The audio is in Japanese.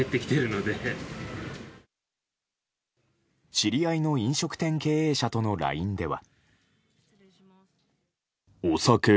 知り合いの飲食店経営者とのＬＩＮＥでは。